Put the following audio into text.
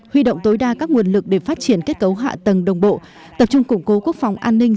huy động tối đa các nguồn lực để phát triển kết cấu hạ tầng đồng bộ tập trung củng cố quốc phòng an ninh